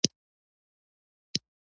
بربادي بد دی.